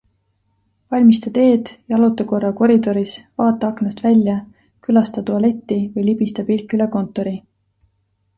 Valmista teed, jaluta korra koridoris, vaata aknast välja, külasta tualetti või libista pilk üle kontori.